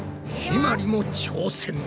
まりも挑戦だ。